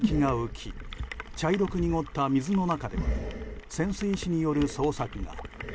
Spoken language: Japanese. がれきが浮き茶色く濁った水の中で潜水士による捜索が。